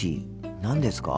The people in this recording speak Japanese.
何ですか？